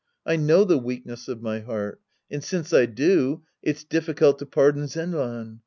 I know the weakness of my heart. And since I do, it's difficult to pardon Zenran.